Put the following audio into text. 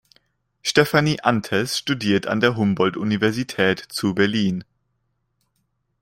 Stefanie Anthes studierte an der Humboldt-Universität zu Berlin.